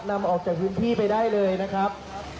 นำออกจากพื้นที่ไปได้เลยนะครับ